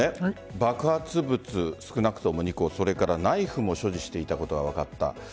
爆発物、少なくとも２個それからナイフも所持していたことが分かった。